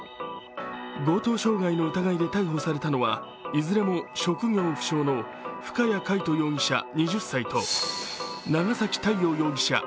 強盗傷害の疑いで逮捕されたのはいずれも職業不詳の深谷海斗容疑者２０歳と長崎太陽容疑者